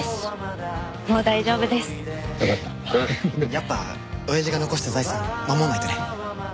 やっぱ親父が残した財産守んないとね。